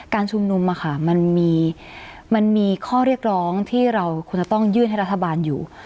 การชุมนุมมันมีข้อเรียกร้องที่เราควรจะต้องยื่นให้รัฐบาลอยู่